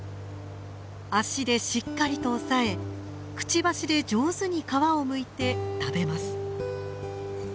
足でしっかりと押さえくちばしで上手に皮をむいて食べます。